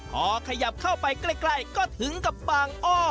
พอขยับเข้าไปใกล้ก็ถึงกับปางอ้อ